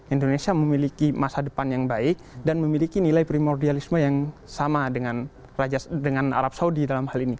indonesia memiliki masa depan yang baik dan memiliki nilai primordialisme yang sama dengan arab saudi dalam hal ini